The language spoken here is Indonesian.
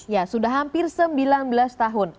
ya sudah hampir sembilan belas tahun